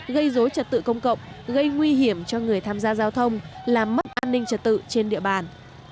gây dối trật tự công cộng gây nguy hiểm cho người tham gia giao thông làm mất an ninh trật tự trên địa bàn